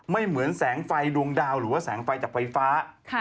เหมือนแสงไฟดวงดาวหรือว่าแสงไฟจากไฟฟ้า